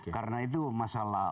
karena itu masalah